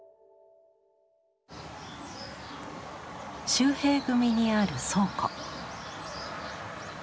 秀平組にある倉庫。